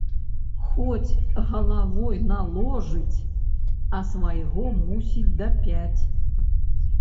Хоць галавой наложыць, а свайго мусіць дапяць.